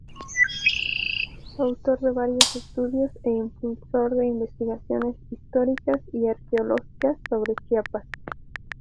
Autor de varios estudios e impulsor de investigaciones históricas y arqueológicas sobre Chiapas.